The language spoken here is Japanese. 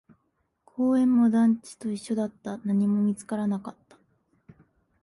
公園も団地と一緒だった、何も見つからなかった